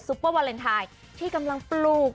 เปอร์วาเลนไทยที่กำลังปลูก